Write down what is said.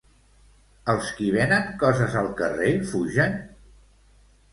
Els qui venen coses al carrer fugen?